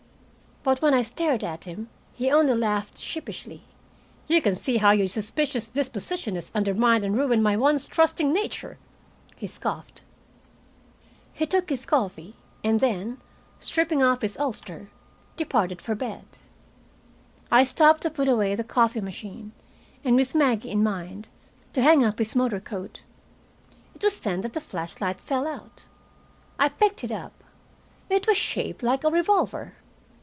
But when I stared at him, he only laughed sheepishly. "You can see how your suspicious disposition has undermined and ruined my once trusting nature," he scoffed. He took his coffee, and then, stripping off his ulster, departed for bed. I stopped to put away the coffee machine, and with Maggie in mind, to hang up his motor coat. It was then that the flashlight fell out. I picked it up. It was shaped like a revolver.